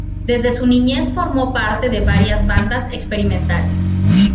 Desde su niñez formó parte de varias bandas experimentales.